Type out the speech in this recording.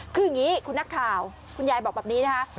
คืออย่างนี้คุณนักข่าวคุณยายบอกแบบนี้นะคะ